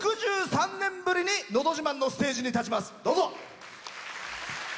６３年ぶりに「のど自慢」のステージに立ちます。